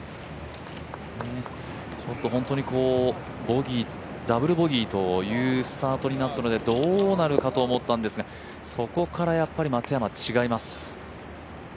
ちょっと本当にボギー、ダブルボギーというスタートになったのでどうなるかと思ったんですがそこから松山、違います。